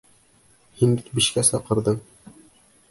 Һин бит бишкә саҡырҙың.